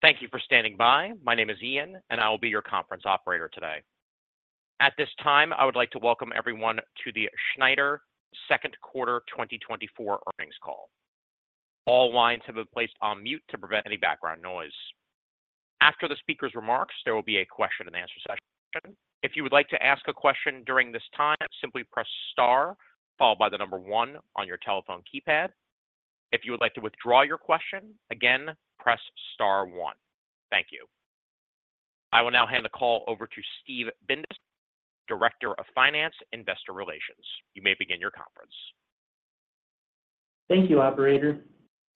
Thank you for standing by. My name is Ian, and I will be your conference operator today. At this time, I would like to welcome everyone to the Schneider Q2 2024 earnings call. All lines have been placed on mute to prevent any background noise. After the speaker's remarks, there will be a question-and-answer session. If you would like to ask a question during this time, simply press star followed by the number one on your telephone keypad. If you would like to withdraw your question, again, press star one. Thank you. I will now hand the call over to Steve Bindas, Director of Finance, Investor Relations. You may begin your conference. Thank you, Operator.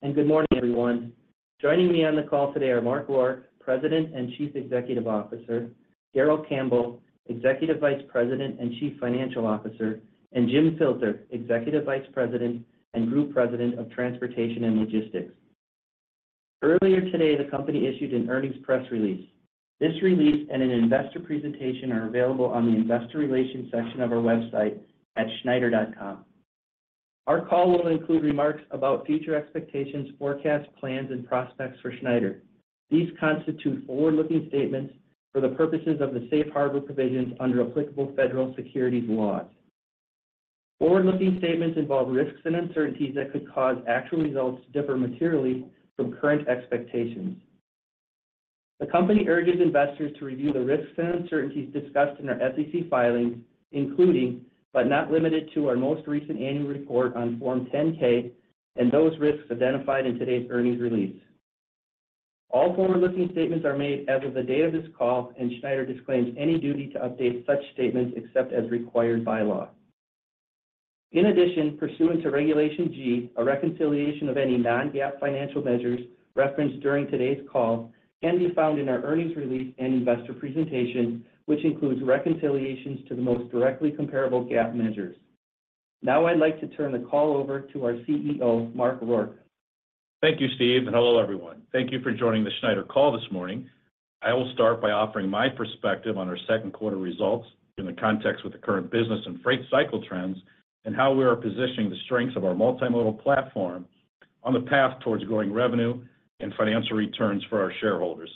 Good morning, everyone. Joining me on the call today are Mark Rourke, President and Chief Executive Officer, Darrell Campbell, Executive Vice President and Chief Financial Officer, and Jim Filter, Executive Vice President and Group President of Transportation and Logistics. Earlier today, the company issued an earnings press release. This release and an investor presentation are available on the investor relations section of our website at schneider.com. Our call will include remarks about future expectations, forecasts, plans, and prospects for Schneider. These constitute forward-looking statements for the purposes of the safe harbor provisions under applicable federal securities laws. Forward-looking statements involve risks and uncertainties that could cause actual results to differ materially from current expectations. The company urges investors to review the risks and uncertainties discussed in our SEC filings, including, but not limited to, our most recent annual report on Form 10-K and those risks identified in today's earnings release. All forward-looking statements are made as of the date of this call, and Schneider disclaims any duty to update such statements except as required by law. In addition, pursuant to Regulation G, a reconciliation of any non-GAAP financial measures referenced during today's call can be found in our earnings release and investor presentation, which includes reconciliations to the most directly comparable GAAP measures. Now I'd like to turn the call over to our CEO, Mark Rourke. Thank you, Steve, and hello, everyone. Thank you for joining the Schneider call this morning. I will start by offering my perspective on our Q2 results in the context with the current business and freight cycle trends and how we are positioning the strengths of our multimodal platform on the path towards growing revenue and financial returns for our shareholders.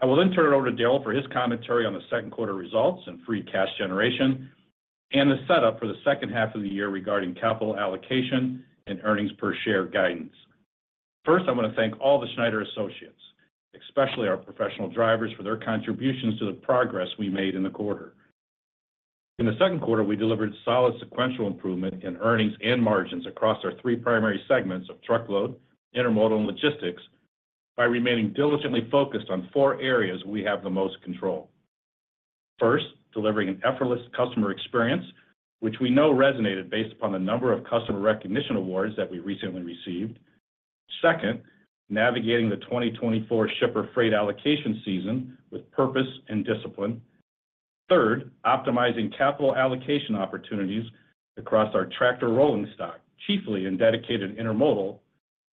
I will then turn it over to Darryl for his commentary on the Q2 results and free cash generation and the setup for the second half of the year regarding capital allocation and earnings per share guidance. First, I want to thank all the Schneider associates, especially our professional drivers, for their contributions to the progress we made in the quarter. In the Q2, we delivered solid sequential improvement in earnings and margins across our three primary segments of truckload, intermodal and logistics by remaining diligently focused on four areas we have the most control. First, delivering an effortless customer experience, which we know resonated based upon the number of customer recognition awards that we recently received. Second, navigating the 2024 shipper freight allocation season with purpose and discipline. Third, optimizing capital allocation opportunities across our tractor rolling stock, chiefly in dedicated intermodal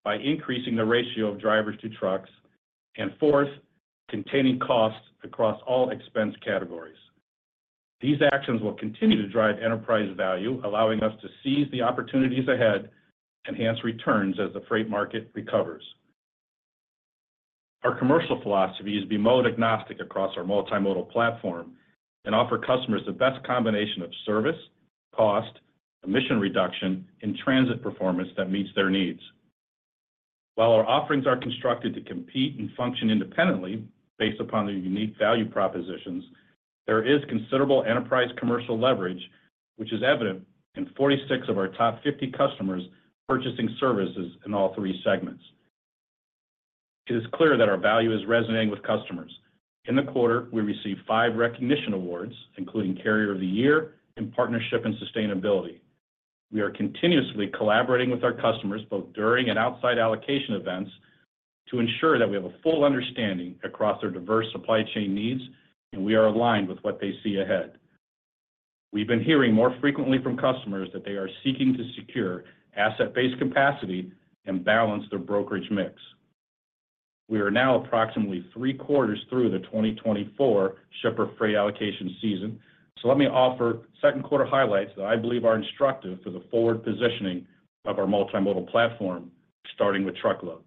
by increasing the ratio of drivers to trucks. And fourth, containing costs across all expense categories. These actions will continue to drive enterprise value, allowing us to seize the opportunities ahead and enhance returns as the freight market recovers. Our commercial philosophy is to be mode-agnostic across our multimodal platform and offer customers the best combination of service, cost, emission reduction, and transit performance that meets their needs. While our offerings are constructed to compete and function independently based upon their unique value propositions, there is considerable enterprise commercial leverage, which is evident in 46 of our top 50 customers purchasing services in all three segments. It is clear that our value is resonating with customers. In the quarter, we received 5 recognition awards, including Carrier of the Year and Partnership and Sustainability. We are continuously collaborating with our customers both during and outside allocation events to ensure that we have a full understanding across their diverse supply chain needs and we are aligned with what they see ahead. We've been hearing more frequently from customers that they are seeking to secure asset-based capacity and balance their brokerage mix. We are now approximately three quarters through the 2024 shipper freight allocation season, so let me offer Q2 highlights that I believe are instructive for the forward positioning of our multimodal platform, starting with Truckload.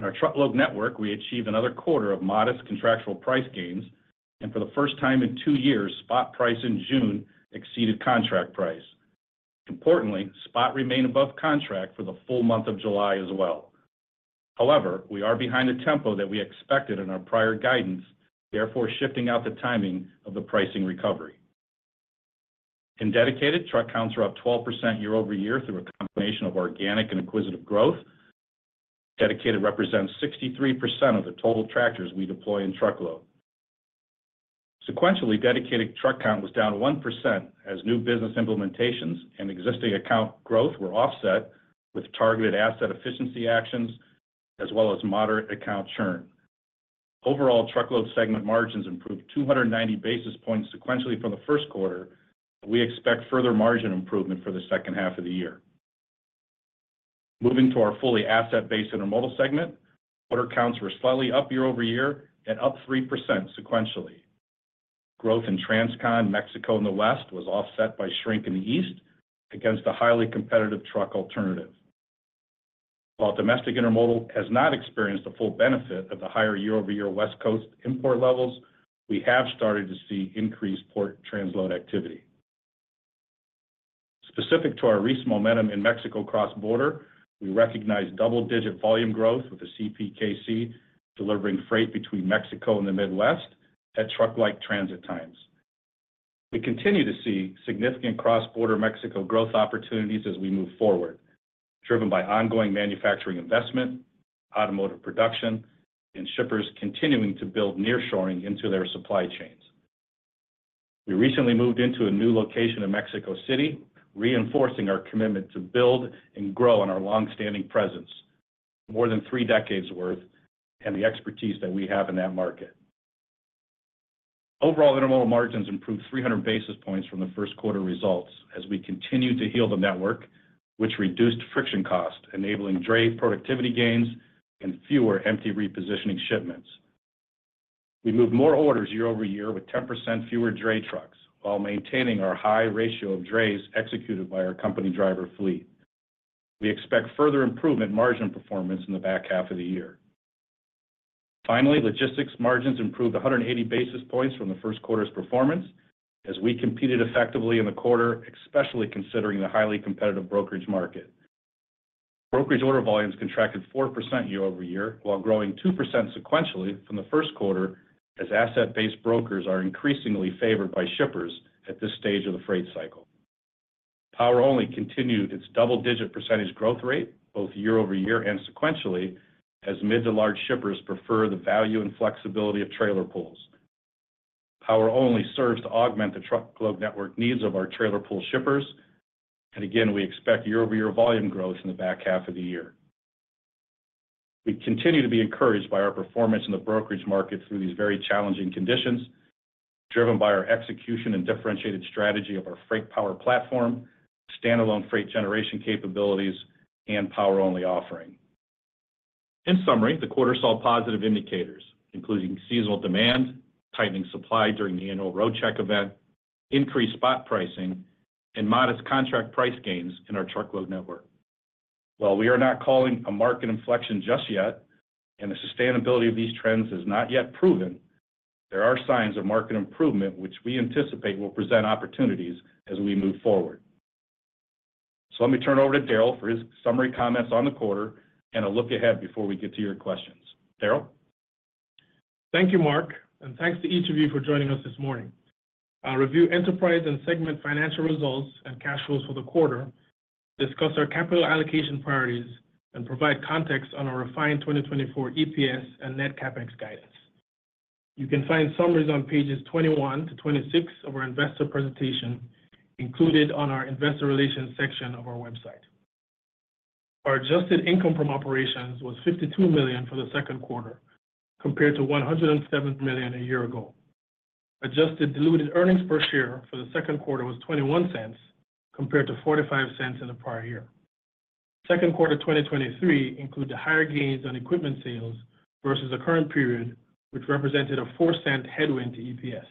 In our Truckload network, we achieved another quarter of modest Contractual price gains, and for the first time in two years, Spot price in June exceeded Contract price. Importantly, Spot remained above Contract for the full month of July as well. However, we are behind the tempo that we expected in our prior guidance, therefore shifting out the timing of the pricing recovery. In Dedicated, truck counts are up 12% year-over-year through a combination of organic and acquisitive growth. Dedicated represents 63% of the total tractors we deploy in Truckload. Sequentially, dedicated truck count was down 1% as new business implementations and existing account growth were offset with targeted asset efficiency actions as well as moderate account churn. Overall, truckload segment margins improved 290 basis points sequentially from the Q1, and we expect further margin improvement for the second half of the year. Moving to our fully asset-based intermodal segment, order counts were slightly up year-over-year and up 3% sequentially. Growth in Transcon, Mexico, and the West was offset by shrink in the East against a highly competitive truck alternative. While domestic intermodal has not experienced the full benefit of the higher year-over-year West Coast import levels, we have started to see increased port transload activity. Specific to our recent momentum in Mexico cross-border, we recognize double-digit volume growth with the CPKC delivering freight between Mexico and the Midwest at truck-like transit times. We continue to see significant cross-border Mexico growth opportunities as we move forward, driven by ongoing manufacturing investment, automotive production, and shippers continuing to build nearshoring into their supply chains. We recently moved into a new location in Mexico City, reinforcing our commitment to build and grow on our longstanding presence, more than three decades' worth, and the expertise that we have in that market. Overall, intermodal margins improved 300 basis points from the Q1 results as we continued to heal the network, which reduced friction costs, enabling dray productivity gains and fewer empty repositioning shipments. We moved more orders year-over-year with 10% fewer dray trucks while maintaining our high ratio of drays executed by our company driver fleet. We expect further improvement in margin performance in the back half of the year. Finally, logistics margins improved 180 basis points from the Q1's performance as we competed effectively in the quarter, especially considering the highly competitive brokerage market. Brokerage order volumes contracted 4% year-over-year while growing 2% sequentially from the Q1 as asset-based brokers are increasingly favored by shippers at this stage of the freight cycle. Power Only continued its double-digit percentage growth rate both year-over-year and sequentially as mid to large shippers prefer the value and flexibility of trailer pulls. Power Only serves to augment the truckload network needs of our trailer pull shippers, and again, we expect year-over-year volume growth in the back half of the year. We continue to be encouraged by our performance in the brokerage market through these very challenging conditions, driven by our execution and differentiated strategy of our FreightPower platform, standalone freight generation capabilities, and Power Only offering. In summary, the quarter saw positive indicators, including seasonal demand, tightening supply during the annual Roadcheck event, increased spot pricing, and modest contract price gains in our truckload network. While we are not calling a market inflection just yet and the sustainability of these trends is not yet proven, there are signs of market improvement, which we anticipate will present opportunities as we move forward. So let me turn it over to Darryl for his summary comments on the quarter and a look ahead before we get to your questions. Darryl? Thank you, Mark, and thanks to each of you for joining us this morning. I'll review enterprise and segment financial results and cash flows for the quarter, discuss our capital allocation priorities, and provide context on our refined 2024 EPS and net CapEx guidance. You can find summaries on pages 21-26 of our investor presentation included on our investor relations section of our website. Our adjusted income from operations was $52 million for the Q2, compared to $107 million a year ago. Adjusted diluted earnings per share for the Q2 was $0.21, compared to $0.45 in the prior year. Q2 2023 included higher gains on equipment sales versus the current period, which represented a $0.04 headwind to EPS.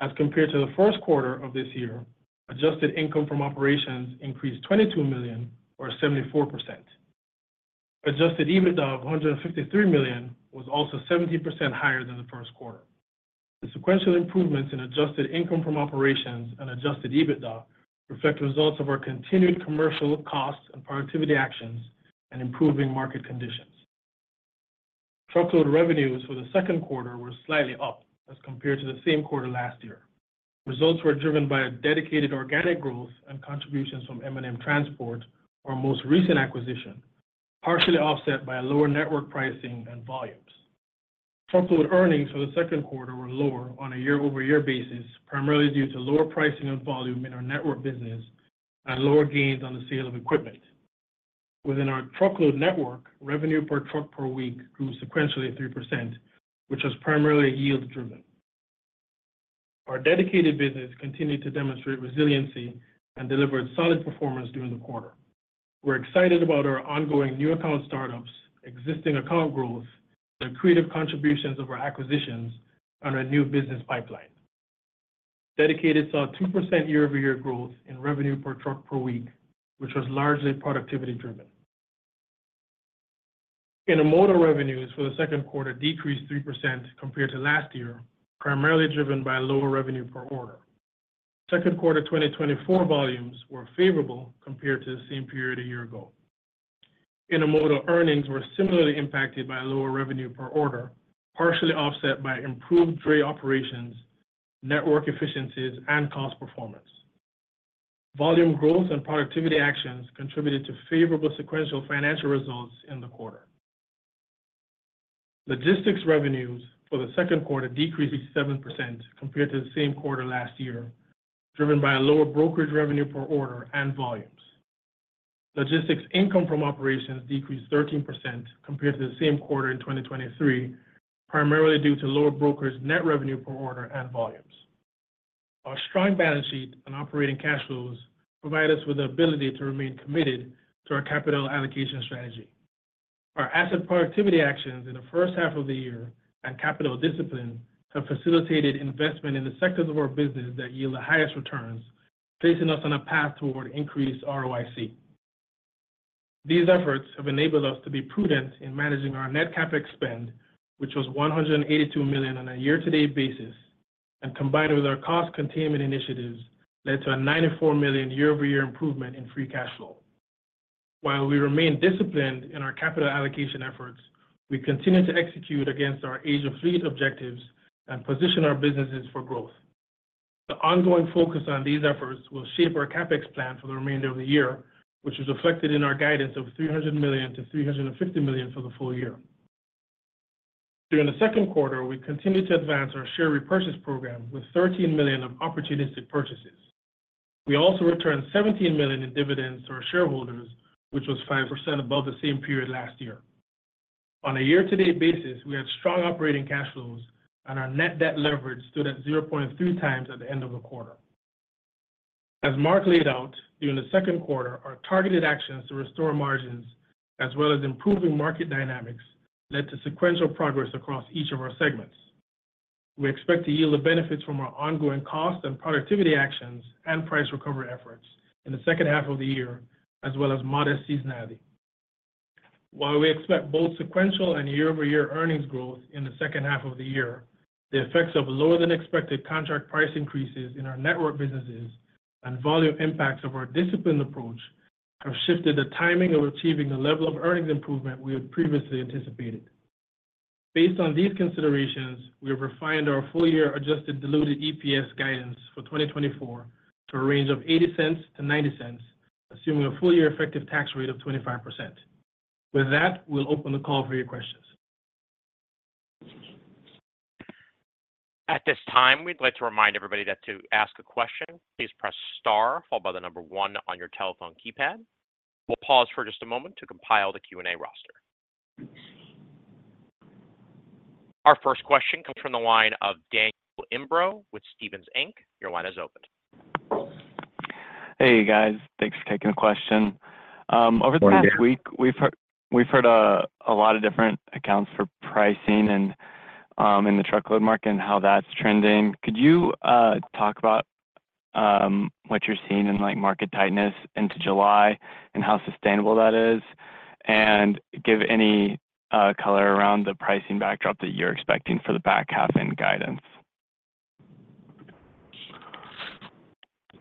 As compared to the Q1 of this year, adjusted income from operations increased $22 million, or 74%. Adjusted EBITDA of $153 million was also 70% higher than the Q1. The sequential improvements in adjusted income from operations and adjusted EBITDA reflect results of our continued commercial costs and productivity actions and improving market conditions. Truckload revenues for the Q2 were slightly up as compared to the same quarter last year. Results were driven by a dedicated organic growth and contributions from M&M Transport, our most recent acquisition, partially offset by lower network pricing and volumes. Truckload earnings for the Q2 were lower on a year-over-year basis, primarily due to lower pricing and volume in our network business and lower gains on the sale of equipment. Within our truckload network, revenue per truck per week grew sequentially 3%, which was primarily yield-driven. Our dedicated business continued to demonstrate resiliency and delivered solid performance during the quarter. We're excited about our ongoing new account startups, existing account growth, and the creative contributions of our acquisitions on our new business pipeline. Dedicated saw 2% year-over-year growth in revenue per truck per week, which was largely productivity-driven. Intermodal revenues for the Q2 decreased 3% compared to last year, primarily driven by lower revenue per order. Q2 2024 volumes were favorable compared to the same period a year ago. Intermodal earnings were similarly impacted by lower revenue per order, partially offset by improved dray operations, network efficiencies, and cost performance. Volume growth and productivity actions contributed to favorable sequential financial results in the quarter. Logistics revenues for the Q2 decreased 7% compared to the same quarter last year, driven by lower brokerage revenue per order and volumes. Logistics income from operations decreased 13% compared to the same quarter in 2023, primarily due to lower brokerage net revenue per order and volumes. Our strong balance sheet and operating cash flows provide us with the ability to remain committed to our capital allocation strategy. Our asset productivity actions in the first half of the year and capital discipline have facilitated investment in the sectors of our business that yield the highest returns, placing us on a path toward increased ROIC. These efforts have enabled us to be prudent in managing our net CapEx spend, which was $182 million on a year-to-date basis, and combined with our cost containment initiatives led to a $94 million year-over-year improvement in free cash flow. While we remain disciplined in our capital allocation efforts, we continue to execute against our Asia fleet objectives and position our businesses for growth. The ongoing focus on these efforts will shape our CapEx plan for the remainder of the year, which is reflected in our guidance of $300 million-$350 million for the full year. During the Q2, we continued to advance our share repurchase program with $13 million of opportunistic purchases. We also returned $17 million in dividends to our shareholders, which was 5% above the same period last year. On a year-to-date basis, we had strong operating cash flows, and our net debt leverage stood at 0.3x at the end of the quarter. As Mark laid out, during the Q2, our targeted actions to restore margins as well as improving market dynamics led to sequential progress across each of our segments. We expect to yield the benefits from our ongoing cost and productivity actions and price recovery efforts in the second half of the year, as well as modest seasonality. While we expect both sequential and year-over-year earnings growth in the second half of the year, the effects of lower-than-expected contract price increases in our network businesses and volume impacts of our discipline approach have shifted the timing of achieving the level of earnings improvement we had previously anticipated. Based on these considerations, we have refined our full-year adjusted diluted EPS guidance for 2024 to a range of $0.80-$0.90, assuming a full-year effective tax rate of 25%. With that, we'll open the call for your questions. At this time, we'd like to remind everybody that to ask a question, please press star, followed by the number one on your telephone keypad. We'll pause for just a moment to compile the Q&A roster. Our first question comes from the line of Daniel Imbro with Stephens Inc. Your line is opened. Hey, guys. Thanks for taking the question. Over the past week, we've heard a lot of different accounts for pricing in the truckload market and how that's trending. Could you talk about what you're seeing in market tightness into July and how sustainable that is, and give any color around the pricing backdrop that you're expecting for the back half in guidance?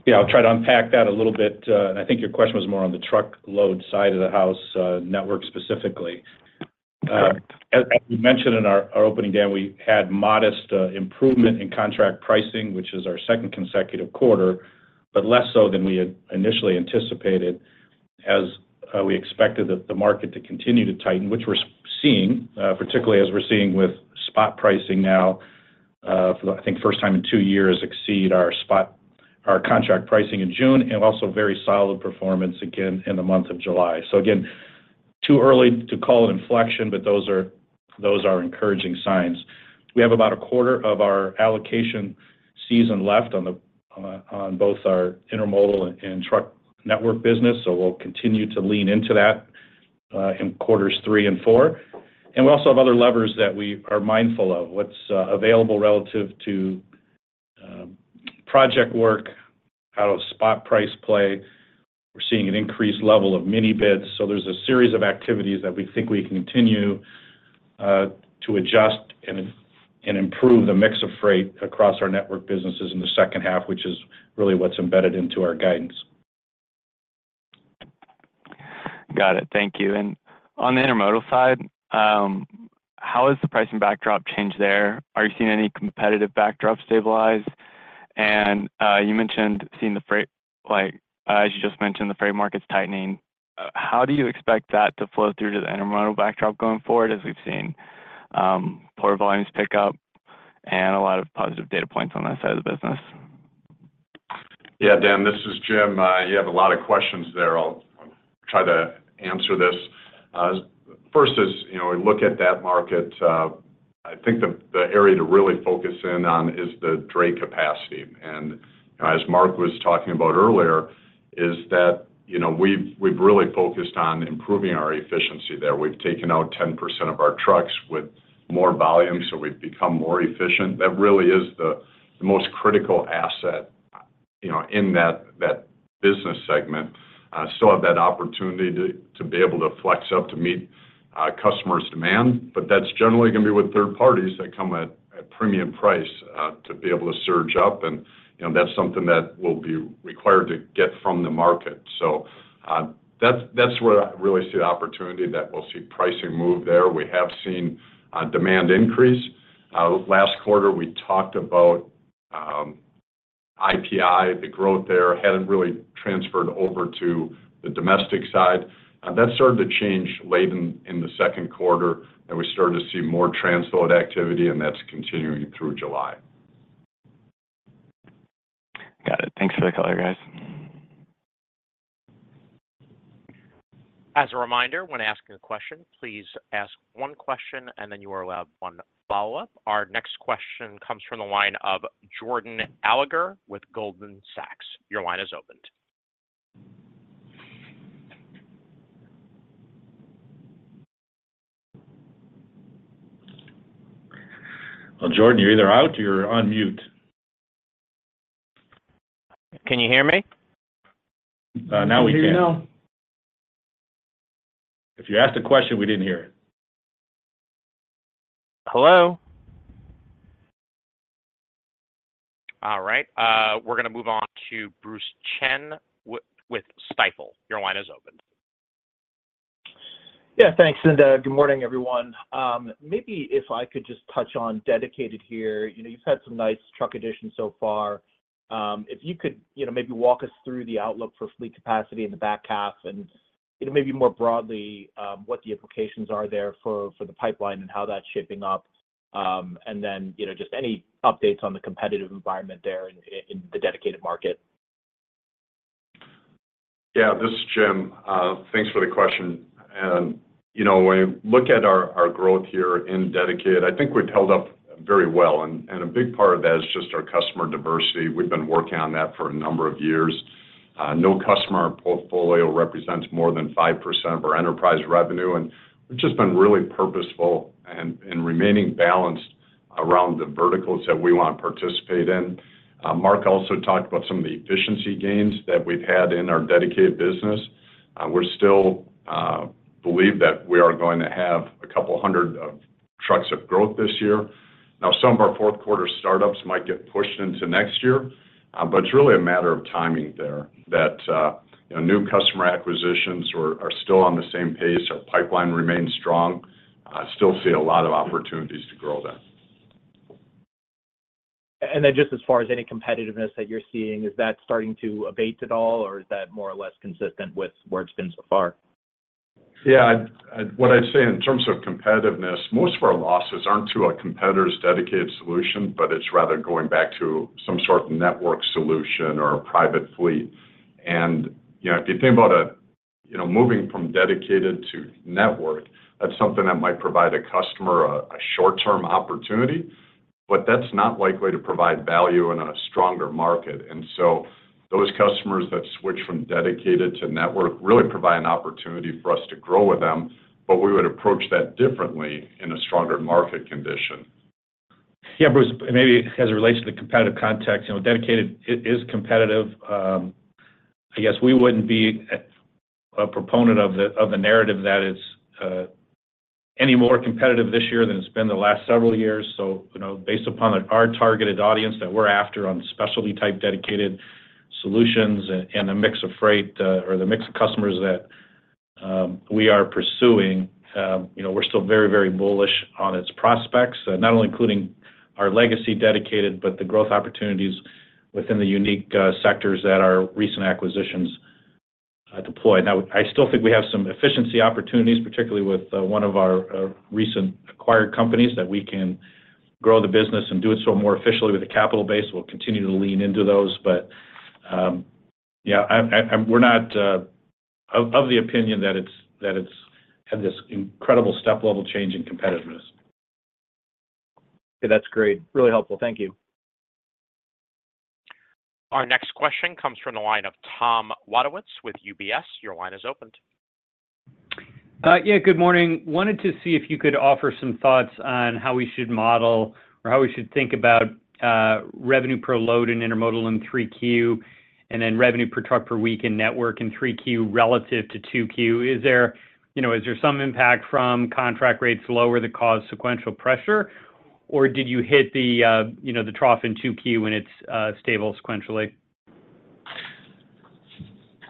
Yeah, I'll try to unpack that a little bit. I think your question was more on the truckload side of the house network specifically. As you mentioned in our opening day, we had modest improvement in contract pricing, which is our second consecutive quarter, but less so than we had initially anticipated, as we expected the market to continue to tighten, which we're seeing, particularly as we're seeing with spot pricing now, I think first time in two years exceed our contract pricing in June, and also very solid performance again in the month of July. So again, too early to call an inflection, but those are encouraging signs. We have about a quarter of our allocation season left on both our intermodal and truck network business, so we'll continue to lean into that in quarters three and four. And we also have other levers that we are mindful of. What's available relative to project work out of spot price play? We're seeing an increased level of mini bids, so there's a series of activities that we think we can continue to adjust and improve the mix of freight across our network businesses in the second half, which is really what's embedded into our guidance. Got it. Thank you. And on the intermodal side, how has the pricing backdrop changed there? Are you seeing any competitive backdrop stabilize? And you mentioned seeing the freight, as you just mentioned, the freight market's tightening. How do you expect that to flow through to the intermodal backdrop going forward as we've seen port volumes pick up and a lot of positive data points on that side of the business? Yeah, Dan, this is Jim. You have a lot of questions there. I'll try to answer this. First, as we look at that market, I think the area to really focus in on is the dray capacity. And as Mark was talking about earlier, is that we've really focused on improving our efficiency there. We've taken out 10% of our trucks with more volume, so we've become more efficient. That really is the most critical asset in that business segment. Still have that opportunity to be able to flex up to meet customers' demand, but that's generally going to be with third parties that come at a premium price to be able to surge up, and that's something that will be required to get from the market. So that's where I really see the opportunity that we'll see pricing move there. We have seen demand increase. Last quarter, we talked about IPI, the growth there hadn't really transferred over to the domestic side. That started to change late in the Q2, and we started to see more transload activity, and that's continuing through July. Got it. Thanks for the color, guys. As a reminder, when asking a question, please ask one question, and then you are allowed one follow-up. Our next question comes from the line of Jordan Alliger with Goldman Sachs. Your line is opened. Well, Jordan, you're either out or you're on mute. Can you hear me? Now we can. I hear you now. If you asked a question, we didn't hear it. Hello? All right. We're going to move on to Bruce Chan with Stifel. Your line is opened. Yeah, thanks. Good morning, everyone. Maybe if I could just touch on dedicated here. You've had some nice truck additions so far. If you could maybe walk us through the outlook for fleet capacity in the back half and maybe more broadly what the implications are there for the pipeline and how that's shaping up, and then just any updates on the competitive environment there in the dedicated market. Yeah, this is Jim. Thanks for the question. When you look at our growth here in dedicated, I think we've held up very well. A big part of that is just our customer diversity. We've been working on that for a number of years. No customer portfolio represents more than 5% of our enterprise revenue, and we've just been really purposeful in remaining balanced around the verticals that we want to participate in. Mark also talked about some of the efficiency gains that we've had in our dedicated business. We still believe that we are going to have a couple hundred trucks of growth this year. Now, some of our fourth-quarter startups might get pushed into next year, but it's really a matter of timing there that new customer acquisitions are still on the same pace. Our pipeline remains strong. I still see a lot of opportunities to grow there. And then just as far as any competitiveness that you're seeing, is that starting to abate at all, or is that more or less consistent with where it's been so far? Yeah, what I'd say in terms of competitiveness, most of our losses aren't to a competitor's dedicated solution, but it's rather going back to some sort of network solution or a private fleet. If you think about it, moving from dedicated to network, that's something that might provide a customer a short-term opportunity, but that's not likely to provide value in a stronger market. So those customers that switch from dedicated to network really provide an opportunity for us to grow with them, but we would approach that differently in a stronger market condition. Yeah, Bruce, maybe as it relates to the competitive context, dedicated is competitive. I guess we wouldn't be a proponent of the narrative that it's any more competitive this year than it's been the last several years. So based upon our targeted audience that we're after on specialty-type dedicated solutions and the mix of freight or the mix of customers that we are pursuing, we're still very, very bullish on its prospects, not only including our legacy dedicated, but the growth opportunities within the unique sectors that our recent acquisitions deployed. Now, I still think we have some efficiency opportunities, particularly with one of our recent acquired companies that we can grow the business and do it so more efficiently with a capital base. We'll continue to lean into those, but yeah, we're not of the opinion that it's had this incredible step-level change in competitiveness. Yeah, that's great. Really helpful. Thank you. Our next question comes from the line of Thomas Wadewitz with UBS. Your line is opened. Yeah, good morning. Wanted to see if you could offer some thoughts on how we should model or how we should think about revenue per load in intermodal in 3Q and then revenue per truck per week in network in 3Q relative to 2Q? Is there some impact from contract rates lower that cause sequential pressure, or did you hit the trough in 2Q when it's stable sequentially?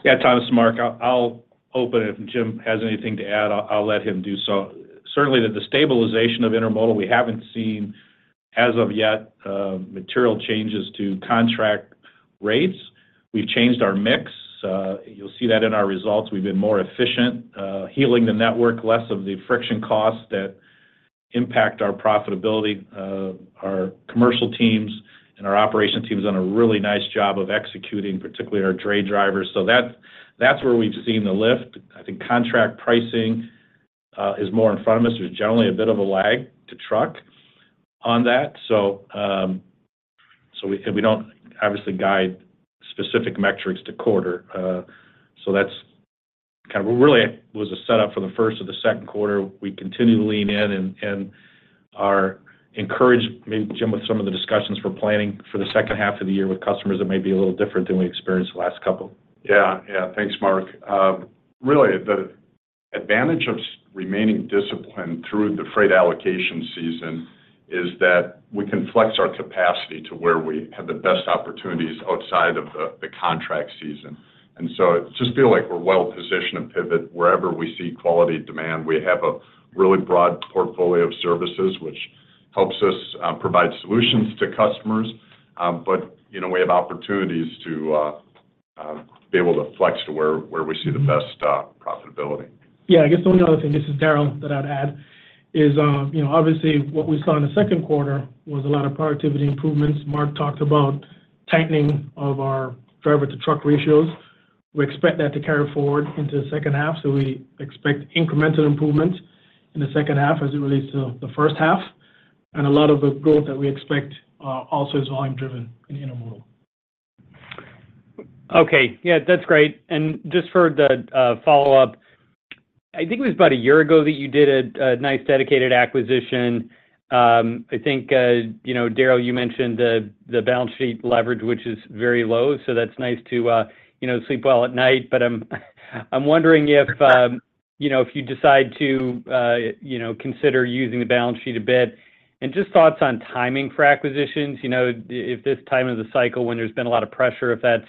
Yeah, Thomas and Mark, I'll open it. If Jim has anything to add, I'll let him do so. Certainly, the stabilization of intermodal, we haven't seen as of yet material changes to contract rates. We've changed our mix. You'll see that in our results. We've been more efficient, healing the network, less of the friction costs that impact our profitability. Our commercial teams and our operation teams have done a really nice job of executing, particularly our dray drivers. So that's where we've seen the lift. I think contract pricing is more in front of us. There's generally a bit of a lag to truck on that. So we don't obviously guide specific metrics to quarter. So that's kind of really was a setup for the first or the Q2. We continue to lean in and encourage, maybe Jim with some of the discussions for planning for the second half of the year with customers that may be a little different than we experienced the last couple. Yeah, yeah. Thanks, Mark. Really, the advantage of remaining disciplined through the freight allocation season is that we can flex our capacity to where we have the best opportunities outside of the contract season. And so it just feels like we're well-positioned to pivot wherever we see quality demand. We have a really broad portfolio of services, which helps us provide solutions to customers, but we have opportunities to be able to flex to where we see the best profitability. Yeah, I guess the only other thing, this is Darryl that I'd add, is obviously what we saw in the Q2 was a lot of productivity improvements. Mark talked about tightening of our driver-to-truck ratios. We expect that to carry forward into the second half. So we expect incremental improvements in the second half as it relates to the first half. And a lot of the growth that we expect also is volume-driven in intermodal. Okay. Yeah, that's great. And just for the follow-up, I think it was about a year ago that you did a nice dedicated acquisition. I think, Darryl, you mentioned the balance sheet leverage, which is very low, so that's nice to sleep well at night. But I'm wondering if you decide to consider using the balance sheet a bit. And just thoughts on timing for acquisitions, if this time of the cycle when there's been a lot of pressure, if that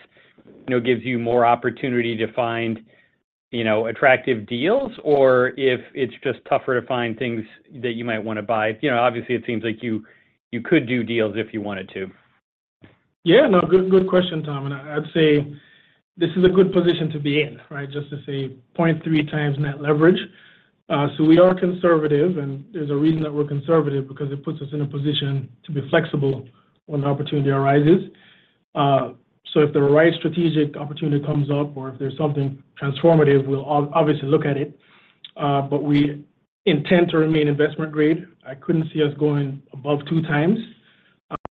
gives you more opportunity to find attractive deals, or if it's just tougher to find things that you might want to buy. Obviously, it seems like you could do deals if you wanted to. Yeah, no, good question, Tom. And I'd say this is a good position to be in, right, just to say 0.3x net leverage. So we are conservative, and there's a reason that we're conservative because it puts us in a position to be flexible when the opportunity arises. So if the right strategic opportunity comes up or if there's something transformative, we'll obviously look at it. But we intend to remain investment grade. I couldn't see us going above 2x,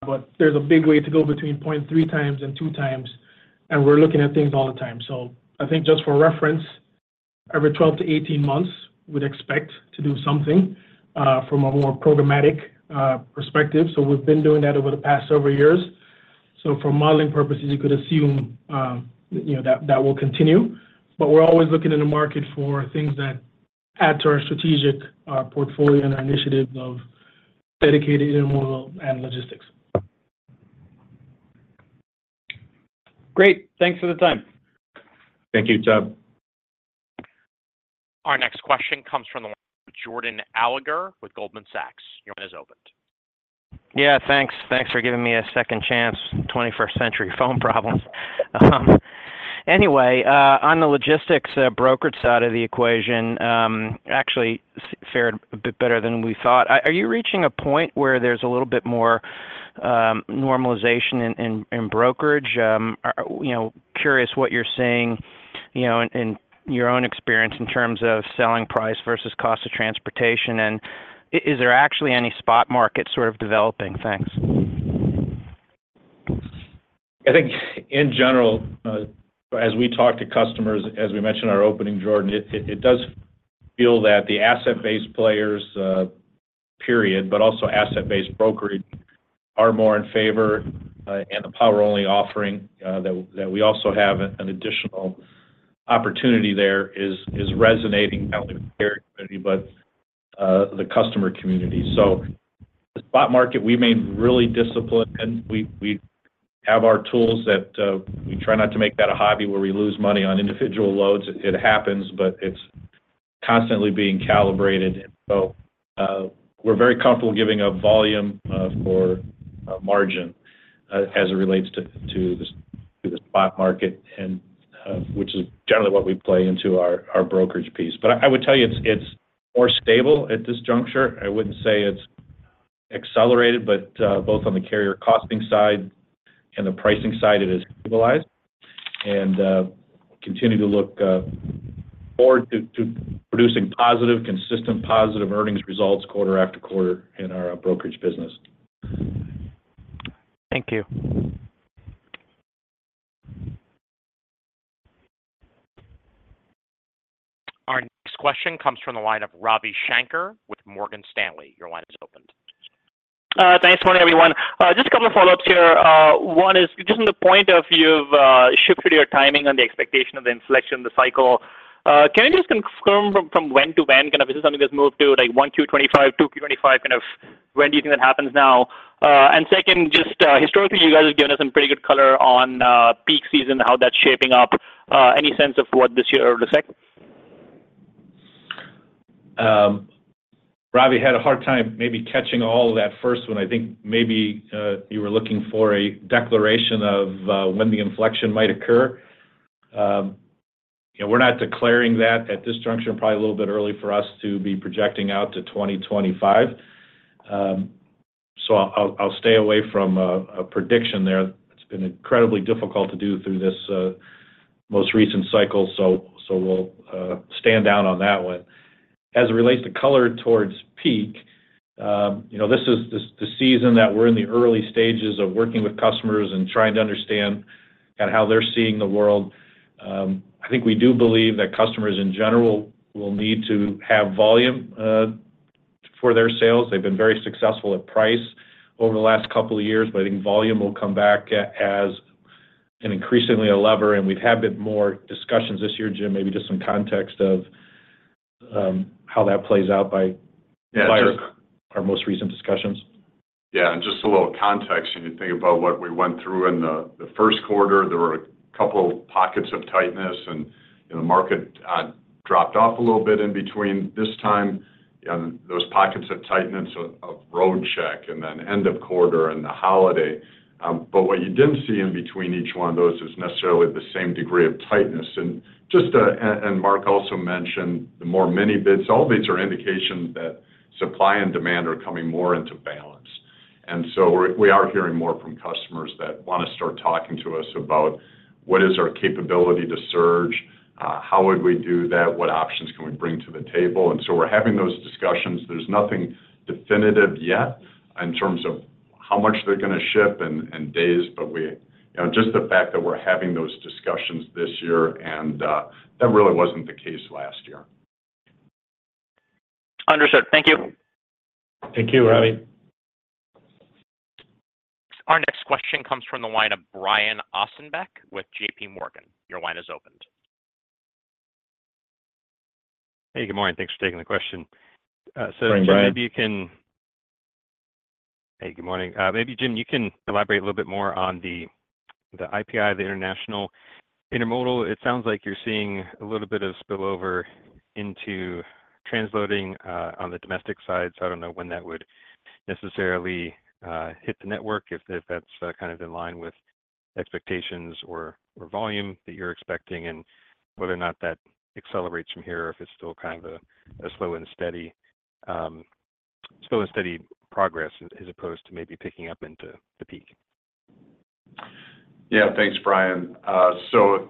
but there's a big way to go between 0.3x and 2x, and we're looking at things all the time. So I think just for reference, every 12-18 months, we'd expect to do something from a more programmatic perspective. So we've been doing that over the past several years. So for modeling purposes, you could assume that will continue. But we're always looking in the market for things that add to our strategic portfolio and our initiatives of dedicated intermodal and logistics. Great. Thanks for the time. Thank you, Ted. Our next question comes from Jordan Alliger with Goldman Sachs. Your line is opened. Yeah, thanks. Thanks for giving me a second chance. 21st-century phone problems. Anyway, on the logistics brokerage side of the equation, actually fared a bit better than we thought. Are you reaching a point where there's a little bit more normalization in brokerage? Curious what you're seeing in your own experience in terms of selling price versus cost of transportation, and is there actually any spot market sort of developing? Thanks. I think in general, as we talk to customers, as we mentioned our opening, Jordan, it does feel that the asset-based players, period, but also asset-based brokerage are more in favor, and the power-only offering that we also have an additional opportunity there is resonating not only with the carrier community but the customer community. So the spot market, we remain really disciplined. We have our tools that we try not to make that a hobby where we lose money on individual loads. It happens, but it's constantly being calibrated. So we're very comfortable giving up volume for margin as it relates to the spot market, which is generally what we play into our brokerage piece. But I would tell you it's more stable at this juncture. I wouldn't say it's accelerated, but both on the carrier costing side and the pricing side, it has stabilized and continued to look forward to producing positive, consistent positive earnings results quarter after quarter in our brokerage business. Thank you. Our next question comes from the line of Ravi Shanker with Morgan Stanley. Your line is open. Thanks, everyone. Just a couple of follow-ups here. One is just on the point of you've shifted your timing on the expectation of the inflection of the cycle. Can you just confirm from when to when? Kind of is this something that's moved to like 1Q2025, 2Q2025? Kind of when do you think that happens now? And second, just historically, you guys have given us some pretty good color on peak season, how that's shaping up. Any sense of what this year looks like? Ravi had a hard time maybe catching all of that first one. I think maybe you were looking for a declaration of when the inflection might occur. We're not declaring that at this juncture. Probably a little bit early for us to be projecting out to 2025. So I'll stay away from a prediction there. It's been incredibly difficult to do through this most recent cycle, so we'll stand down on that one. As it relates to color towards peak, this is the season that we're in the early stages of working with customers and trying to understand kind of how they're seeing the world. I think we do believe that customers in general will need to have volume for their sales. They've been very successful at price over the last couple of years, but I think volume will come back as an increasingly a lever. We've had a bit more discussions this year, Jim, maybe just some context of how that plays out by our most recent discussions. Yeah, and just a little context. You think about what we went through in the Q1. There were a couple pockets of tightness, and the market dropped off a little bit in between this time. Those pockets of tightness, of road check and then end of quarter and the holiday. But what you didn't see in between each one of those is necessarily the same degree of tightness. And Mark also mentioned the more mini bids. All bids are indications that supply and demand are coming more into balance. And so we are hearing more from customers that want to start talking to us about what is our capability to surge, how would we do that, what options can we bring to the table. And so we're having those discussions. There's nothing definitive yet in terms of how much they're going to ship and days, but just the fact that we're having those discussions this year, and that really wasn't the case last year. Understood. Thank you. Thank you, Ravi. Our next question comes from the line of Brian Ossenbeck with JP Morgan. Your line is opened. Hey, good morning. Thanks for taking the question. Maybe you can. Good morning. Hey, good morning. Maybe Jim, you can elaborate a little bit more on the IPI, the international intermodal. It sounds like you're seeing a little bit of spillover into transloading on the domestic side. So I don't know when that would necessarily hit the network if that's kind of in line with expectations or volume that you're expecting and whether or not that accelerates from here or if it's still kind of a slow and steady progress as opposed to maybe picking up into the peak? Yeah, thanks, Brian. So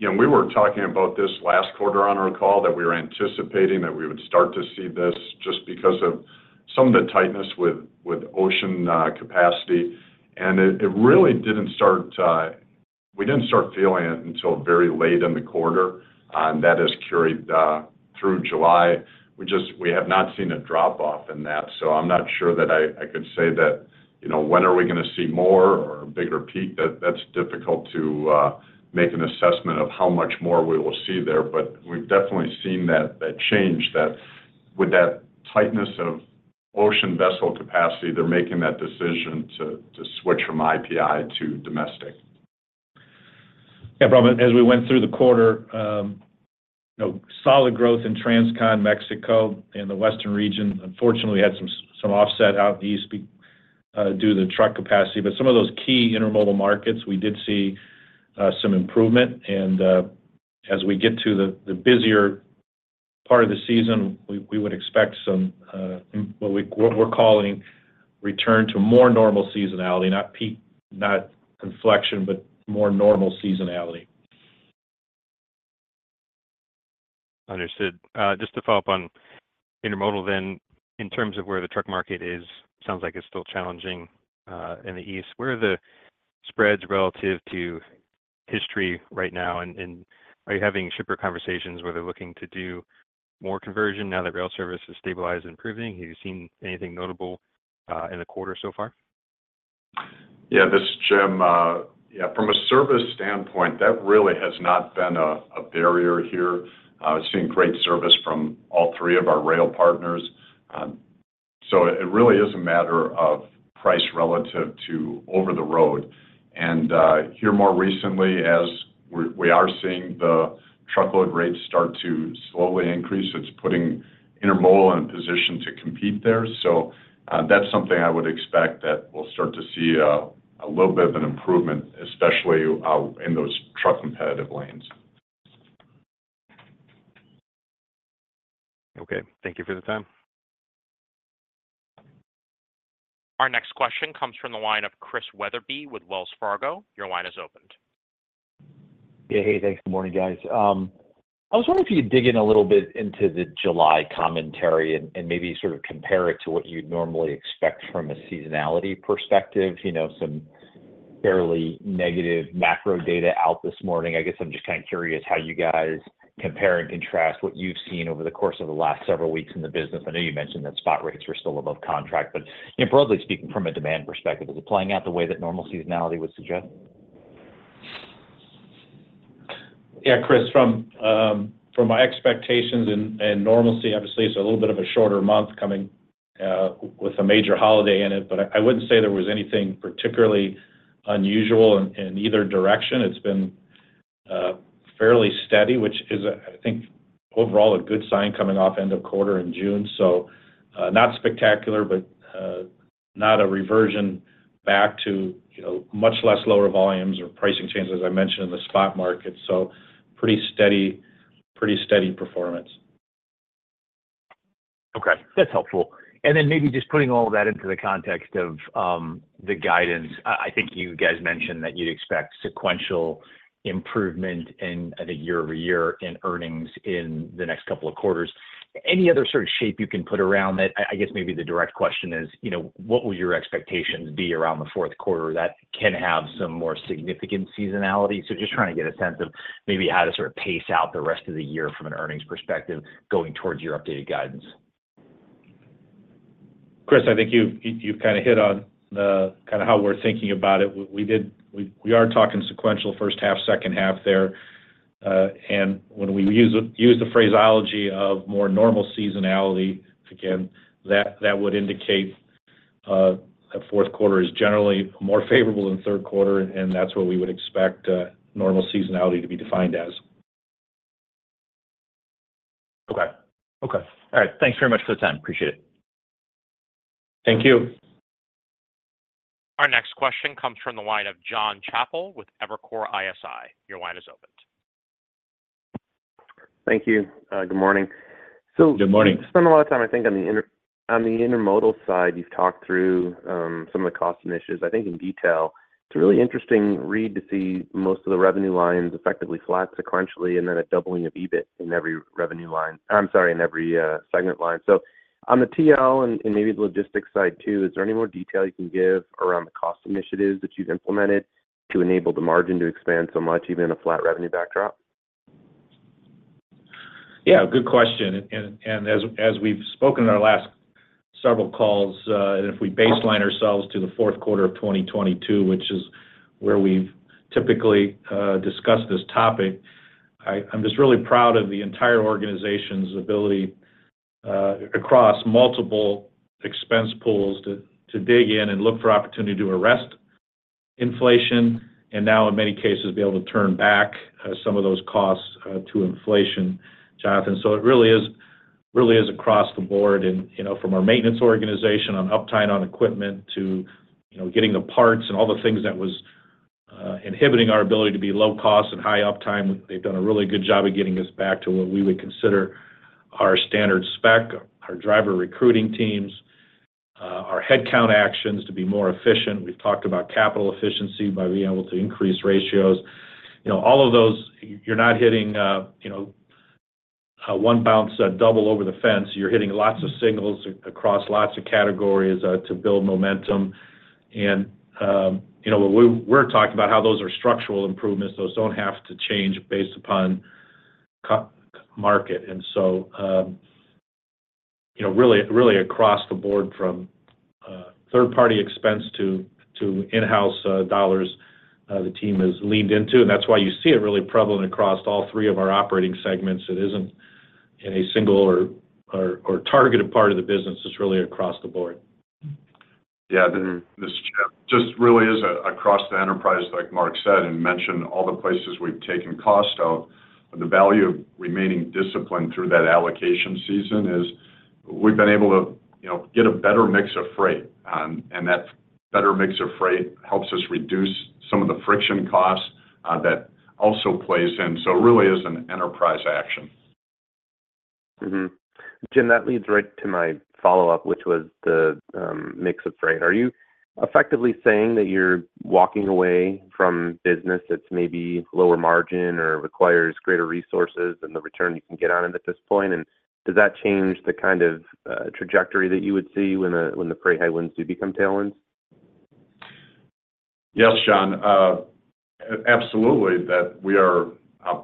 we were talking about this last quarter on our call that we were anticipating that we would start to see this just because of some of the tightness with ocean capacity. And it really didn't—we didn't start feeling it until very late in the quarter, and that has carried through July. We have not seen a drop-off in that. So I'm not sure that I could say that when are we going to see more or a bigger peak. That's difficult to make an assessment of how much more we will see there, but we've definitely seen that change with that tightness of ocean vessel capacity; they're making that decision to switch from IPI to domestic. Yeah, probably as we went through the quarter, solid growth in Transcon, Mexico, and the western region. Unfortunately, we had some offset out east due to the truck capacity. But some of those key intermodal markets, we did see some improvement. And as we get to the busier part of the season, we would expect what we're calling return to more normal seasonality, not peak, not inflection, but more normal seasonality. Understood. Just to follow up on intermodal then, in terms of where the truck market is, it sounds like it's still challenging in the east. Where are the spreads relative to history right now? And are you having shipper conversations where they're looking to do more conversion now that rail service has stabilized and improving? Have you seen anything notable in the quarter so far? Yeah, this is Jim. Yeah, from a service standpoint, that really has not been a barrier here. I've seen great service from all three of our rail partners. So it really is a matter of price relative to over the road. And here more recently, as we are seeing the truckload rates start to slowly increase, it's putting intermodal in a position to compete there. So that's something I would expect that we'll start to see a little bit of an improvement, especially in those truck competitive lanes. Okay. Thank you for the time. Our next question comes from the line of Chris Weatherbee with Wells Fargo. Your line is opened. Yeah, hey, thanks. Good morning, guys. I was wondering if you could dig in a little bit into the July commentary and maybe sort of compare it to what you'd normally expect from a seasonality perspective. Some fairly negative macro data out this morning. I guess I'm just kind of curious how you guys compare and contrast what you've seen over the course of the last several weeks in the business. I know you mentioned that spot rates were still above contract, but broadly speaking, from a demand perspective, is it playing out the way that normal seasonality would suggest? Yeah, Chris, from my expectations and normalcy, obviously, it's a little bit of a shorter month coming with a major holiday in it, but I wouldn't say there was anything particularly unusual in either direction. It's been fairly steady, which is, I think, overall a good sign coming off end of quarter in June. So not spectacular, but not a reversion back to much less lower volumes or pricing changes, as I mentioned, in the spot market. So pretty steady performance. Okay. That's helpful. Then maybe just putting all of that into the context of the guidance, I think you guys mentioned that you'd expect sequential improvement in, I think, year over year in earnings in the next couple of quarters. Any other sort of shape you can put around that? I guess maybe the direct question is, what will your expectations be around the Q4 that can have some more significant seasonality? So just trying to get a sense of maybe how to sort of pace out the rest of the year from an earnings perspective going towards your updated guidance. Chris, I think you've kind of hit on kind of how we're thinking about it. We are talking sequential first half, second half there. When we use the phraseology of more normal seasonality, again, that would indicate that Q4 is generally more favorable than Q3, and that's what we would expect normal seasonality to be defined as. Okay. Okay. All right. Thanks very much for the time. Appreciate it. Thank you. Our next question comes from the line of John Chappell with Evercore ISI. Your line is opened. Thank you. Good morning. Good morning. So you spent a lot of time, I think, on the intermodal side. You've talked through some of the cost initiatives, I think, in detail. It's a really interesting read to see most of the revenue lines effectively flat sequentially and then a doubling of EBIT in every revenue line. I'm sorry, in every segment line. So on the TL and maybe the logistics side too, is there any more detail you can give around the cost initiatives that you've implemented to enable the margin to expand so much, even in a flat revenue backdrop? Yeah, good question. As we've spoken in our last several calls, and if we baseline ourselves to the Q4 of 2022, which is where we've typically discussed this topic, I'm just really proud of the entire organization's ability across multiple expense pools to dig in and look for opportunity to arrest inflation and now, in many cases, be able to turn back some of those costs to inflation, Jonathan. It really is across the board from our maintenance organization on uptime on equipment to getting the parts and all the things that was inhibiting our ability to be low cost and high uptime. They've done a really good job of getting us back to what we would consider our standard spec, our driver recruiting teams, our headcount actions to be more efficient. We've talked about capital efficiency by being able to increase ratios. All of those, you're not hitting one bounce double over the fence. You're hitting lots of signals across lots of categories to build momentum. And what we're talking about, how those are structural improvements, those don't have to change based upon market. And so really across the board, from third-party expense to in-house dollars, the team has leaned into. And that's why you see it really prevalent across all three of our operating segments. It isn't in a single or targeted part of the business. It's really across the board. Yeah, this just really is across the enterprise, like Mark said and mentioned all the places we've taken cost out. The value of remaining disciplined through that allocation season is we've been able to get a better mix of freight. And that better mix of freight helps us reduce some of the friction costs that also plays in. So it really is an enterprise action. Jim, that leads right to my follow-up, which was the mix of freight. Are you effectively saying that you're walking away from business that's maybe lower margin or requires greater resources than the return you can get on it at this point? And does that change the kind of trajectory that you would see when the freight headwinds do become tailwinds? Yes, John. Absolutely that we are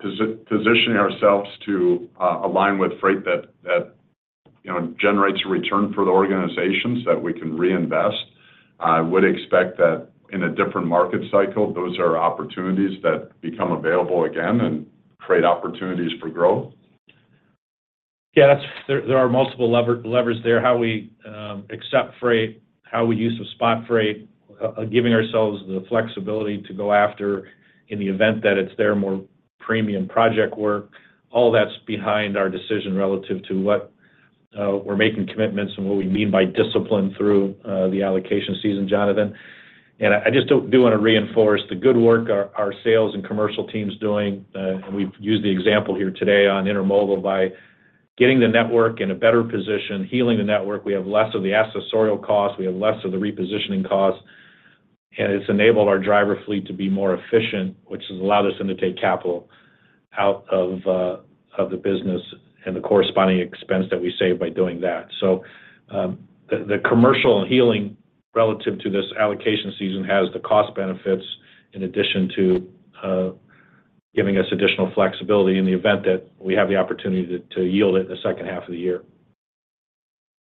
positioning ourselves to align with freight that generates a return for the organizations that we can reinvest. I would expect that in a different market cycle, those are opportunities that become available again and create opportunities for growth. Yeah, there are multiple levers there. How we accept freight, how we use the spot freight, giving ourselves the flexibility to go after in the event that it's their more premium project work. All that's behind our decision relative to what we're making commitments and what we mean by discipline through the allocation season, Jonathan. And I just do want to reinforce the good work our sales and commercial team's doing. And we've used the example here today on intermodal by getting the network in a better position, healing the network. We have less of the accessorial costs. We have less of the repositioning costs. And it's enabled our driver fleet to be more efficient, which has allowed us to take capital out of the business and the corresponding expense that we save by doing that. The commercial learnings relative to this allocation season have the cost benefits in addition to giving us additional flexibility in the event that we have the opportunity to yield it in the second half of the year.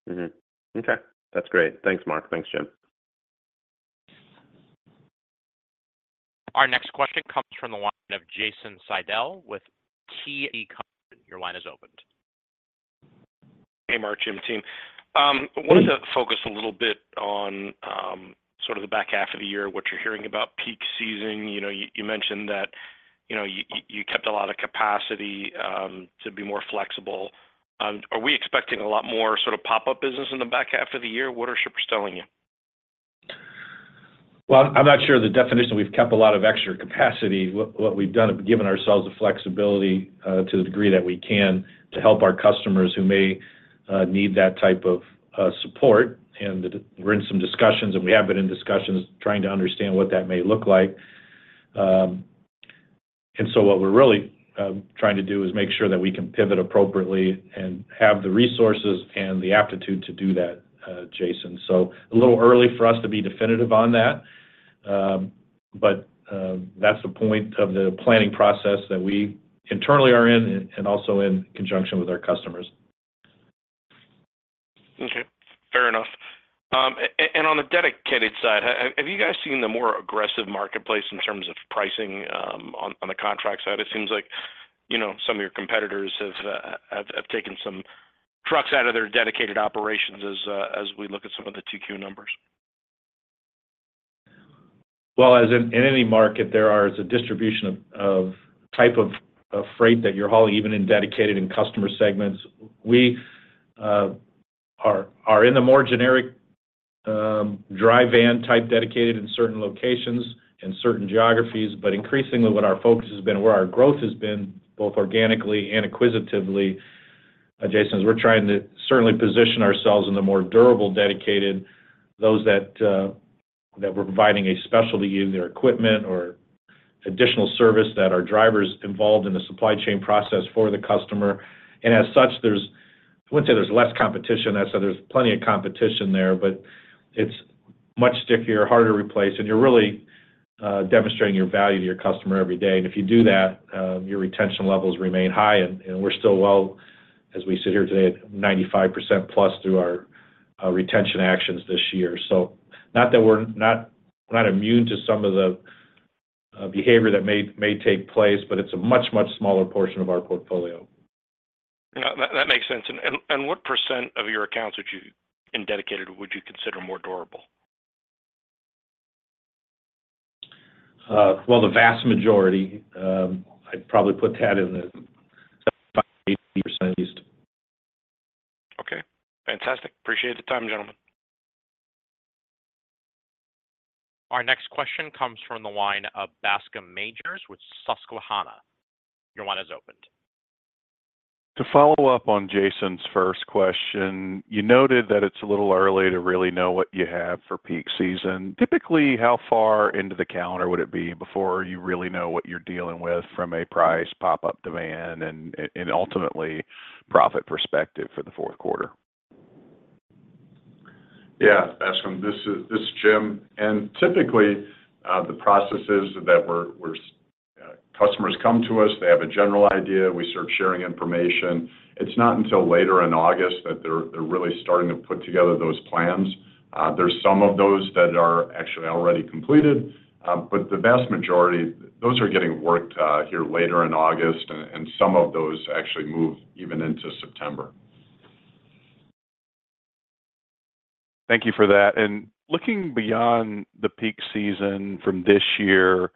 Okay. That's great. Thanks, Mark. Thanks, Jim. Our next question comes from the line of Jason Seidl with TD Cowen. Your line is opened. Hey, Mark, Jim, team. I wanted to focus a little bit on sort of the back half of the year, what you're hearing about peak season. You mentioned that you kept a lot of capacity to be more flexible. Are we expecting a lot more sort of pop-up business in the back half of the year? What are shippers telling you? Well, I'm not sure the definition. We've kept a lot of extra capacity. What we've done is given ourselves the flexibility to the degree that we can to help our customers who may need that type of support. We're in some discussions, and we have been in discussions trying to understand what that may look like. So what we're really trying to do is make sure that we can pivot appropriately and have the resources and the aptitude to do that, Jason. A little early for us to be definitive on that, but that's the point of the planning process that we internally are in and also in conjunction with our customers. Okay. Fair enough. On the dedicated side, have you guys seen the more aggressive marketplace in terms of pricing on the contract side? It seems like some of your competitors have taken some trucks out of their dedicated operations as we look at some of the 2Q numbers. Well, as in any market, there is a distribution of type of freight that you're hauling, even in dedicated and customer segments. We are in the more generic dry van type dedicated in certain locations and certain geographies. But increasingly, what our focus has been, where our growth has been, both organically and acquisitively, Jason, is we're trying to certainly position ourselves in the more durable dedicated, those that we're providing a specialty in their equipment or additional service that our drivers involved in the supply chain process for the customer. And as such, I wouldn't say there's less competition. I'd say there's plenty of competition there, but it's much stickier, harder to replace, and you're really demonstrating your value to your customer every day. And if you do that, your retention levels remain high. We're still, as we sit here today, at 95% plus through our retention actions this year. Not that we're not immune to some of the behavior that may take place, but it's a much, much smaller portion of our portfolio. That makes sense. What % of your accounts in Dedicated would you consider more durable? Well, the vast majority. I'd probably put that in the 75%-80% at least. Okay. Fantastic. Appreciate the time, gentlemen. Our next question comes from the line of Bascom Majors with Susquehanna. Your line is opened. To follow up on Jason's first question, you noted that it's a little early to really know what you have for peak season. Typically, how far into the calendar would it be before you really know what you're dealing with from a price, pop-up demand, and ultimately profit perspective for the Q4? Yeah, this is Jim. Typically, the process is that customers come to us. They have a general idea. We start sharing information. It's not until later in August that they're really starting to put together those plans. There's some of those that are actually already completed, but the vast majority, those are getting worked here later in August, and some of those actually move even into September. Thank you for that. Looking beyond the peak season from this year,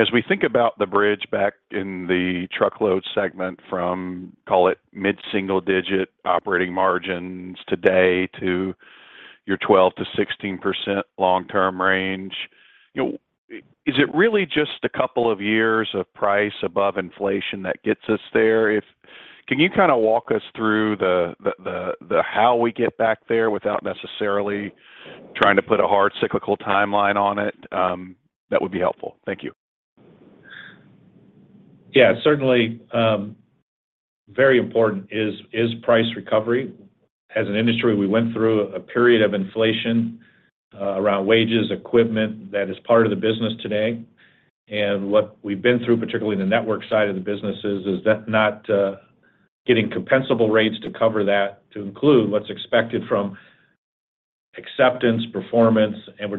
as we think about the bridge back in the truckload segment from, call it, mid-single digit operating margins today to your 12%-16% long-term range, is it really just a couple of years of price above inflation that gets us there? Can you kind of walk us through the how we get back there without necessarily trying to put a hard cyclical timeline on it? That would be helpful. Thank you. Yeah, certainly very important is price recovery. As an industry, we went through a period of inflation around wages, equipment that is part of the business today. And what we've been through, particularly in the network side of the business, is not getting compensable rates to cover that to include what's expected from acceptance, performance. And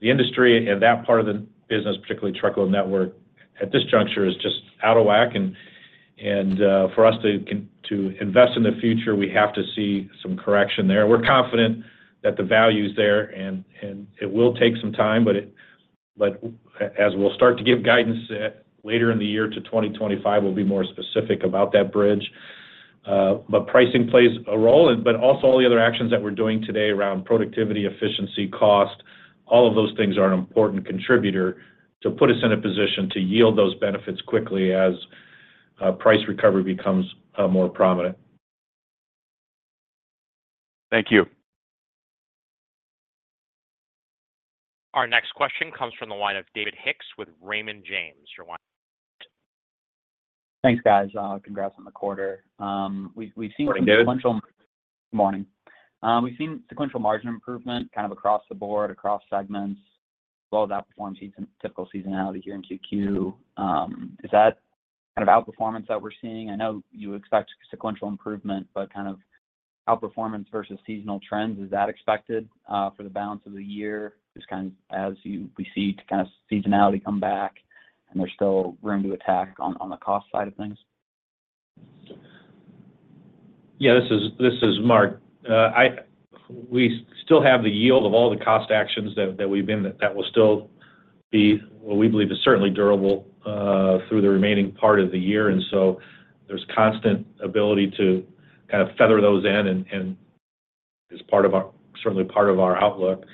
the industry and that part of the business, particularly truckload network, at this juncture is just out of whack. And for us to invest in the future, we have to see some correction there. We're confident that the value is there, and it will take some time. But as we'll start to give guidance later in the year to 2025, we'll be more specific about that bridge. But pricing plays a role. But also all the other actions that we're doing today around productivity, efficiency, cost, all of those things are an important contributor to put us in a position to yield those benefits quickly as price recovery becomes more prominent. Thank you. Our next question comes from the line of David Hicks with Raymond James. Your line. Thanks, guys. Congrats on the quarter. We've seen sequential. Morning, David. Morning. We've seen sequential margin improvement kind of across the board, across segments. Well, that performs typical seasonality here in 2Q. Is that kind of outperformance that we're seeing? I know you expect sequential improvement, but kind of outperformance versus seasonal trends, is that expected for the balance of the year? Just kind of as we see kind of seasonality come back and there's still room to attack on the cost side of things? Yeah, this is Mark. We still have the yield of all the cost actions that we've been that will still be what we believe is certainly durable through the remaining part of the year. And so there's constant ability to kind of feather those in and is certainly part of our outlook.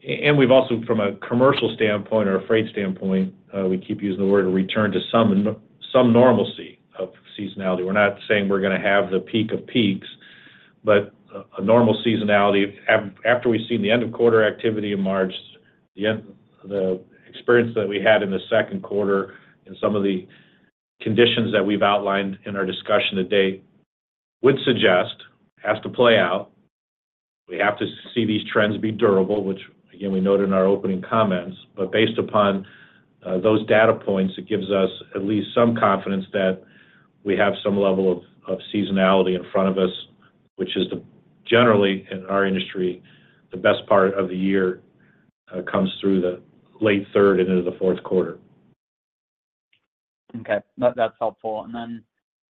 And we've also, from a commercial standpoint or a freight standpoint, we keep using the word a return to some normalcy of seasonality. We're not saying we're going to have the peak of peaks, but a normal seasonality after we've seen the end-of-quarter activity in March, the experience that we had in the Q2 and some of the conditions that we've outlined in our discussion today would suggest has to play out. We have to see these trends be durable, which, again, we noted in our opening comments. Based upon those data points, it gives us at least some confidence that we have some level of seasonality in front of us, which is generally in our industry, the best part of the year comes through the late third into the Q4. Okay. That's helpful. And then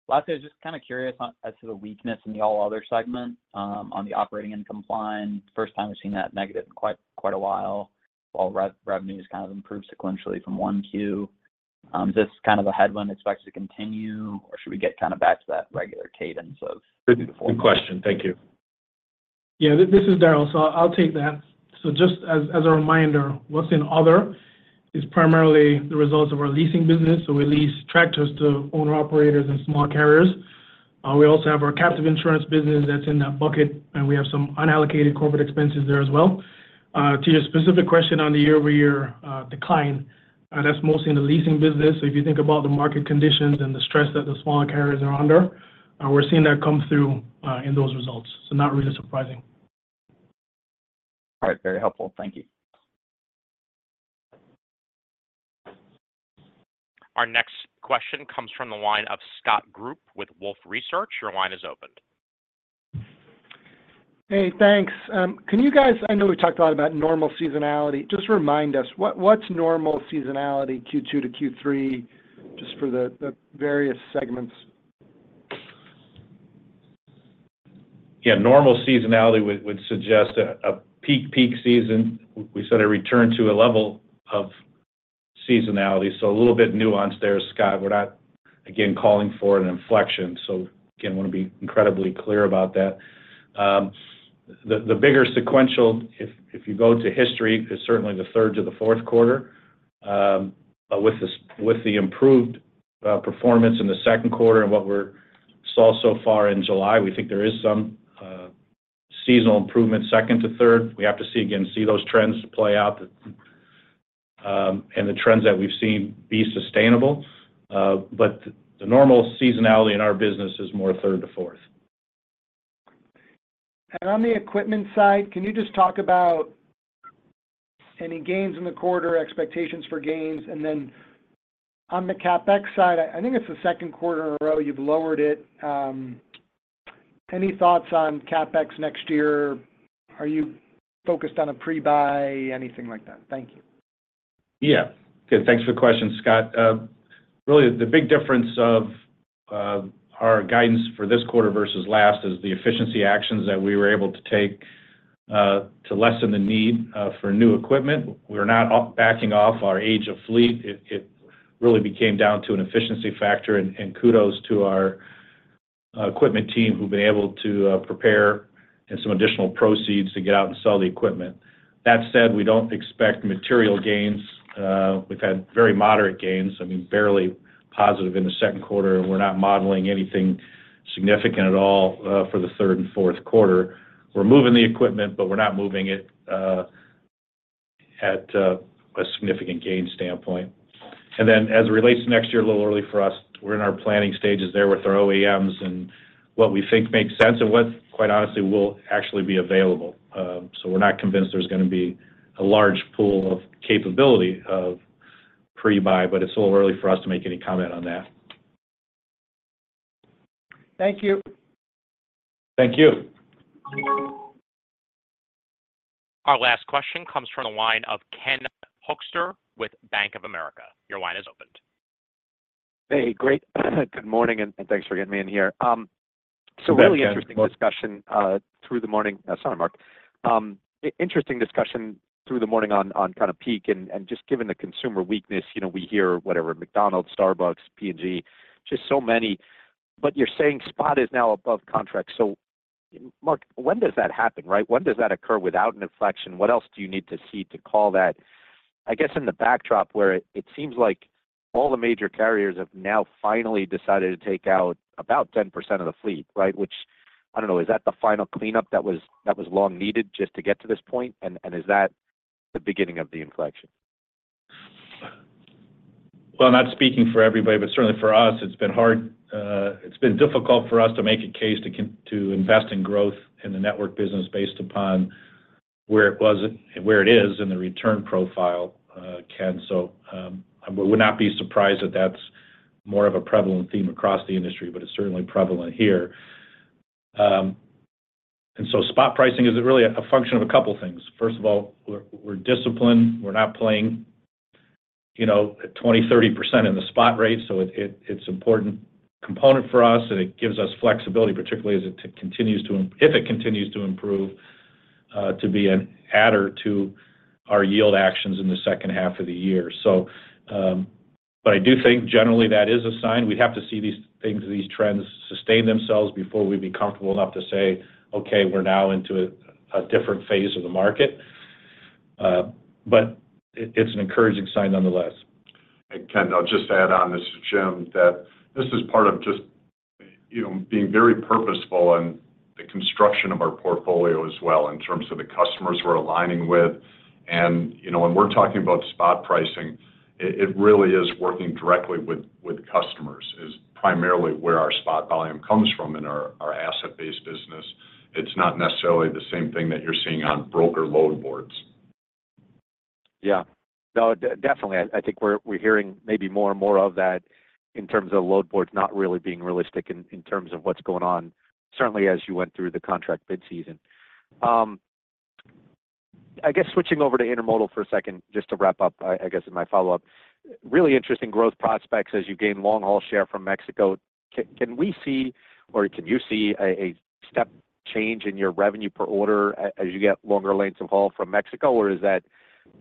lastly, I was just kind of curious as to the weakness in the all-other segment on the operating and compliance. First time we've seen that negative in quite a while while revenue has kind of improved sequentially from 1Q. Is this kind of a headwind expected to continue, or should we get kind of back to that regular cadence of? Good question. Thank you. Yeah, this is Darryl. So I'll take that. So just as a reminder, what's in other is primarily the results of our leasing business. So we lease tractors to owner-operators and small carriers. We also have our captive insurance business that's in that bucket, and we have some unallocated corporate expenses there as well. To your specific question on the year-over-year decline, that's mostly in the leasing business. So if you think about the market conditions and the stress that the smaller carriers are under, we're seeing that come through in those results. So not really surprising. All right. Very helpful. Thank you. Our next question comes from the line of Scott Group with Wolfe Research. Your line is open. Hey, thanks. Can you guys. I know we talked a lot about normal seasonality. Just remind us, what's normal seasonality Q2 to Q3 just for the various segments? Yeah, normal seasonality would suggest a peak season. We said a return to a level of seasonality. So a little bit nuanced there, Scott. We're not, again, calling for an inflection. So again, want to be incredibly clear about that. The bigger sequential, if you go to history, is certainly the third to the Q4. But with the improved performance in the Q2 and what we saw so far in July, we think there is some seasonal improvement second to third. We have to, again, see those trends play out and the trends that we've seen be sustainable. But the normal seasonality in our business is more third to fourth. On the equipment side, can you just talk about any gains in the quarter, expectations for gains? And then on the CapEx side, I think it's the Q2 in a row you've lowered it. Any thoughts on CapEx next year? Are you focused on a pre-buy, anything like that? Thank you. Yeah. Good. Thanks for the question, Scott. Really, the big difference of our guidance for this quarter versus last is the efficiency actions that we were able to take to lessen the need for new equipment. We're not backing off our age of fleet. It really became down to an efficiency factor, and kudos to our equipment team who've been able to prepare and some additional proceeds to get out and sell the equipment. That said, we don't expect material gains. We've had very moderate gains, I mean, barely positive in the Q2. And we're not modeling anything significant at all for the third and Q4. We're moving the equipment, but we're not moving it at a significant gain standpoint. And then as it relates to next year, a little early for us. We're in our planning stages there with our OEMs and what we think makes sense and what, quite honestly, will actually be available. So we're not convinced there's going to be a large pool of capability of pre-buy, but it's a little early for us to make any comment on that. Thank you. Thank you. Our last question comes from the line of Ken Hoexter with Bank of America. Your line is open. Hey, great. Good morning, and thanks for getting me in here. So really interesting discussion through the morning. Sorry, Mark. Interesting discussion through the morning on kind of peak and just given the consumer weakness. We hear whatever McDonald's, Starbucks, P&G, just so many. But you're saying spot is now above contracts. So, Mark, when does that happen, right? When does that occur without an inflection? What else do you need to see to call that? I guess in the backdrop where it seems like all the major carriers have now finally decided to take out about 10% of the fleet, right? Which, I don't know, is that the final cleanup that was long needed just to get to this point? And is that the beginning of the inflection? Well, not speaking for everybody, but certainly for us, it's been hard. It's been difficult for us to make a case to invest in growth in the network business based upon where it was and where it is and the return profile, Ken. So I would not be surprised that that's more of a prevalent theme across the industry, but it's certainly prevalent here. And so spot pricing is really a function of a couple of things. First of all, we're disciplined. We're not playing 20%, 30% in the spot rate. So it's an important component for us, and it gives us flexibility, particularly as it continues to, if it continues to improve, to be an add or two our yield actions in the second half of the year. But I do think generally that is a sign. We'd have to see these things, these trends sustain themselves before we'd be comfortable enough to say, "Okay, we're now into a different phase of the market." But it's an encouraging sign nonetheless. Ken, I'll just add on this to Jim that this is part of just being very purposeful in the construction of our portfolio as well in terms of the customers we're aligning with. When we're talking about spot pricing, it really is working directly with customers is primarily where our spot volume comes from in our asset-based business. It's not necessarily the same thing that you're seeing on broker load boards. Yeah. No, definitely. I think we're hearing maybe more and more of that in terms of load boards not really being realistic in terms of what's going on, certainly as you went through the contract bid season. I guess switching over to Intermodal for a second just to wrap up, I guess, in my follow-up. Really interesting growth prospects as you gain long-haul share from Mexico. Can we see, or can you see a step change in your revenue per order as you get longer lengths of haul from Mexico, or is that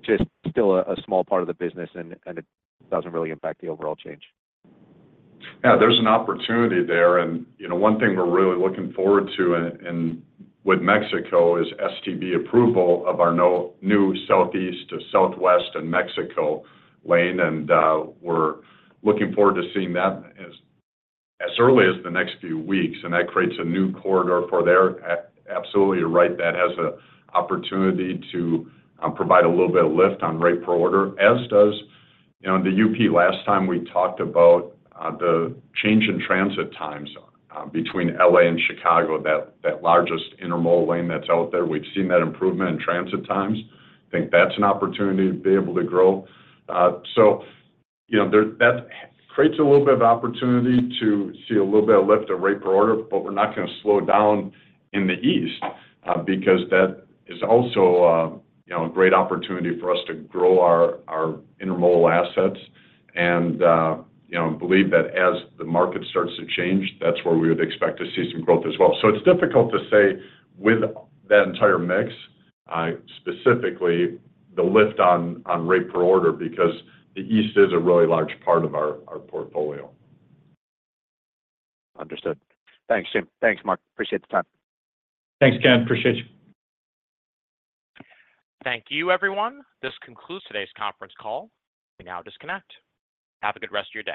just still a small part of the business and it doesn't really impact the overall change? Yeah, there's an opportunity there. And one thing we're really looking forward to with Mexico is STB approval of our new southeast to southwest and Mexico lane. And we're looking forward to seeing that as early as the next few weeks. And that creates a new corridor for there. Absolutely right. That has an opportunity to provide a little bit of lift on rate per order, as does the UP. Last time we talked about the change in transit times between L.A. and Chicago, that largest Intermodal lane that's out there, we've seen that improvement in transit times. I think that's an opportunity to be able to grow. So that creates a little bit of opportunity to see a little bit of lift of rate per order, but we're not going to slow down in the east because that is also a great opportunity for us to grow our Intermodal assets. And I believe that as the market starts to change, that's where we would expect to see some growth as well. So it's difficult to say with that entire mix, specifically the lift on rate per order because the east is a really large part of our portfolio. Understood. Thanks, Jim. Thanks, Mark. Appreciate the time. Thanks, Ken. Appreciate you. Thank you, everyone. This concludes today's conference call. We now disconnect. Have a good rest of your day.